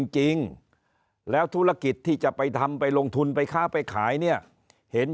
จริงแล้วธุรกิจที่จะไปทำไปลงทุนไปค้าไปขายเนี่ยเห็น